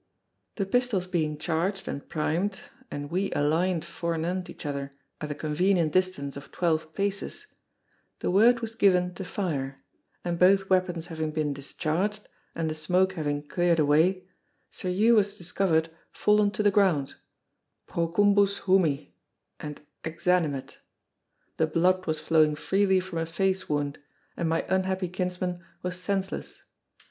The pistols being charged and primed, and we aligned forenent each other at the convenient distance of twelve paces, the word was given to fire, and both weapons having been discharged, and the smoke having cleared away, Sir Hew was discovered fallen to the ground, procumbus humi, and exanimate. The blood was flowing freely from a face wound, and my unhappy kinsman was senseless.